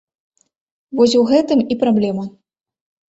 Вось у гэтым і праблема!